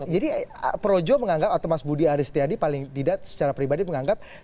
jadi projo menganggap atau mas budi aris t a d paling tidak secara pribadi menganggap